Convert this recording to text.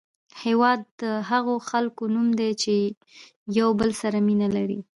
هېواد د هغو خلکو نوم دی چې یو بل سره مینه لري.